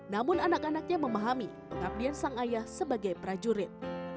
namun anak anaknya memahami pengabdian sang ayah sebagai prajurit